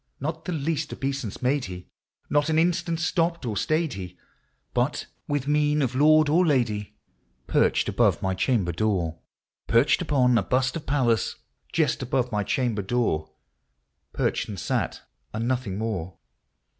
Not the least obeisance made he ; not an instant stopped or stayed he ; But, with mien of lord or lady, perched above my chamber door, — Perched upon a bust of Pallas, just above my cham ber door,— Perched, and sat, and nothing more.